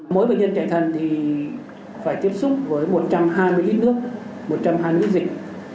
mỗi bệnh nhân chạy thận thì phải tiếp xúc với một trăm hai mươi ít nước một trăm hai mươi ít dịch